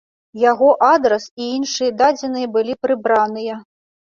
Яго адрас і іншыя дадзеныя былі прыбраныя.